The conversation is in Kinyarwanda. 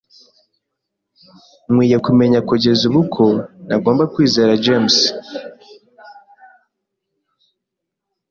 Nkwiye kumenya kugeza ubu ko ntagomba kwizera Jemus.